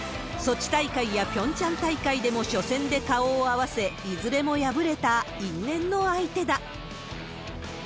ソチ大会やピョンチャン大会でも初戦で顔を合わせ、いずれも敗れた因縁の相手だ。